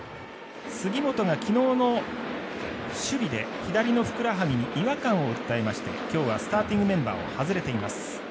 杉本が、昨日の守備で左のふくらはぎに違和感を訴えまして今日はスターティングメンバーを外れています。